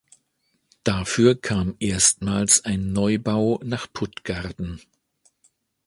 Dafür kam erstmals ein Neubau nach Puttgarden.